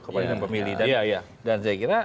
kepada pemilih dan saya kira